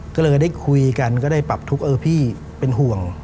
ก็เลยได้คุยกันก็ได้ปรับทุกข์เออพี่เป็นห่วง